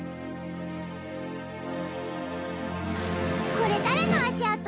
これ誰の足跡？